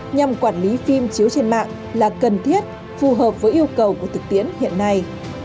nhằm quản lý phim chiếu trên mạng là cần thiết phù hợp với yêu cầu của thực tiễn hiện nay